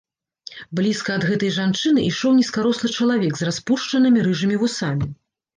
Блізка ад гэтай жанчыны ішоў нізкарослы чалавек з распушчанымі рыжымі вусамі.